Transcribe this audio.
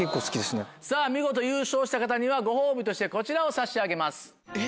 さぁ見事優勝した方にはご褒美としてこちらを差し上げます。